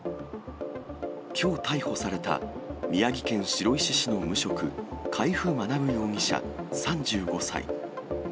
きょう逮捕された宮城県白石市の無職、海部学容疑者３５歳。